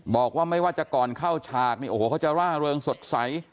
บอกว่าไม่ว่าจะก่อนเข้าฉากเนี่ยโอ้โหเขาจะร่าเริงสดใส